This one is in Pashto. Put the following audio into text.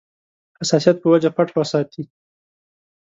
حساسیت په وجه پټ وساتي.